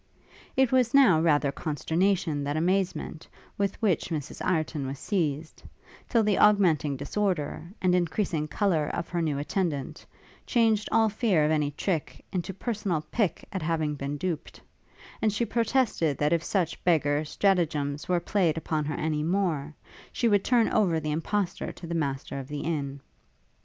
It was now rather consternation than amazement with which Mrs Ireton was seized, till the augmenting disorder, and increasing colour of her new attendant, changed all fear of any trick into personal pique at having been duped; and she protested that if such beggar stratagems were played upon her any more, she would turn over the impostor to the master of the inn.